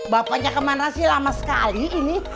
bapaknya kemana sih lama sekali ini